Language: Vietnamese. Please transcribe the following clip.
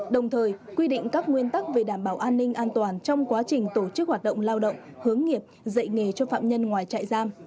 đồng thời quy định các nguyên tắc về đảm bảo an ninh an toàn trong quá trình tổ chức hoạt động lao động hướng nghiệp dạy nghề cho phạm nhân ngoài trại giam